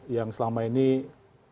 yang selama ini berbicara tentang